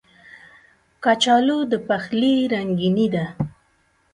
کچالو د پخلي رنګیني ده